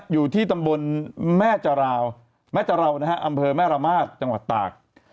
อยู่ที่ตำบลแม่จราวแม่จาราวนะฮะอำเภอแม่ระมาทจังหวัดตาก